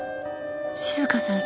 静香さん